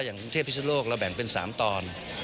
กรุงเทพพิศนโลกเราแบ่งเป็น๓ตอน